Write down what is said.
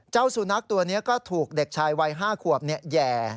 เจ้าสุนัขตัวนี้ก็ถูกเด็กชายวัย๕ขวบแหย่